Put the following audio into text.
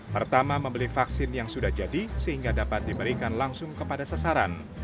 pertama membeli vaksin yang sudah jadi sehingga dapat diberikan langsung kepada sasaran